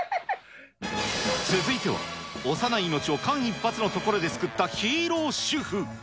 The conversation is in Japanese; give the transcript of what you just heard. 続いては幼い命を間一髪のところで救ったヒーロー主婦。